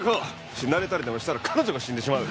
死なれたりでもしたら彼女が死んでしまう。